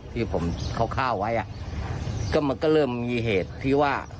ที่ผมเข้าข้าวไว้มันก็เริ่มมีเหตุที่ว่า